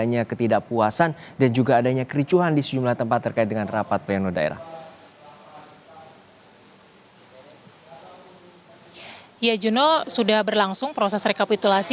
ya juno sudah berlangsung proses rekapitulasi